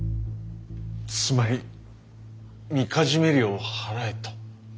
つまりみかじめ料を払えと。